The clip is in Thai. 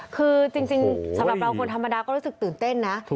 คือจริงสำหรับเราคนธรรมดาก็รู้สึกตื่นเต้นนะ